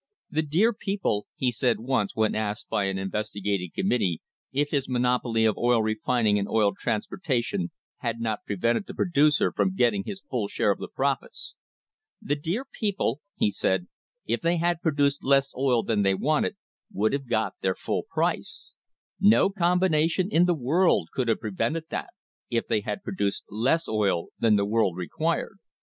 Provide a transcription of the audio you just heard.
"The dear people," he said once when asked by an investi gating committee if his monopoly of oil refining and oil transportation had not prevented the producer from getting his full share of the profits "the dear people," he said, "if they had produced less oil than they wanted, would have got their full price; no combination in the world could have pre vented that, if they had produced less oil than the world required."